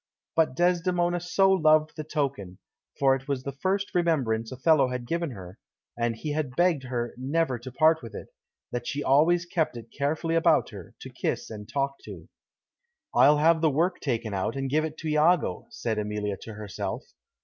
But Desdemona so loved the token for it was the first remembrance Othello had given her, and he had begged her never to part with it that she always kept it carefully about her, to kiss and talk to. "I'll have the work taken out, and give it to Iago," said Emilia to herself.